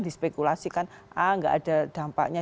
dispekulasikan ah nggak ada dampaknya